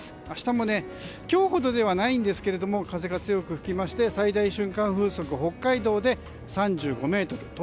明日も今日ほどではないんですけど風が強く吹きまして最大瞬間風速は北海道で３５メートル